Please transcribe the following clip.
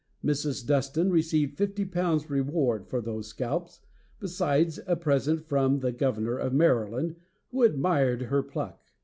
Mrs. Dustin received fifty pounds reward for those scalps, besides a present from the governor of Maryland, who admired her pluck.